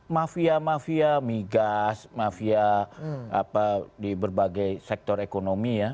mafia mafia migas mafia di berbagai sektor ekonomi ya